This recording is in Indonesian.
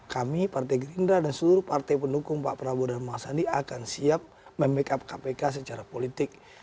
kami partai gerindra dan seluruh partai pendukung pak prabowo dan bang sandi akan siap memikap kpk secara politik